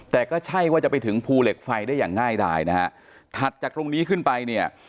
แต่ก็ใช่ว่าจะไปถึงภูเหล็กไฟได้อย่างง่ายดายนะฮะถัดจากตรงนี้ขึ้นไปเนี่ย